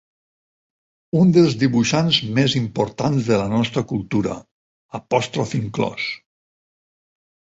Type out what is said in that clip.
Un dels dibuixants més importants de la nostra cultura, apòstrof inclòs.